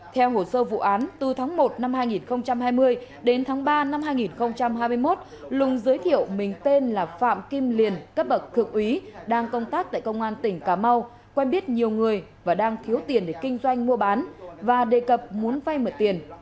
theo hồ sơ vụ án từ tháng một năm hai nghìn hai mươi đến tháng ba năm hai nghìn hai mươi một lùng giới thiệu mình tên là phạm kim liền các bậc thượng úy đang công tác tại công an tỉnh cà mau quen biết nhiều người và đang thiếu tiền để kinh doanh mua bán và đề cập muốn vay mượn tiền